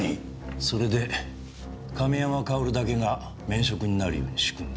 それで亀山薫だけが免職になるように仕組んだ。